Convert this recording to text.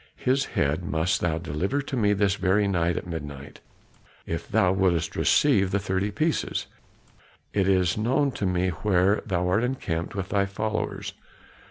His head must thou deliver to me this very night at midnight, if thou wouldst receive the thirty pieces. It is known to me where thou art encamped with thy followers."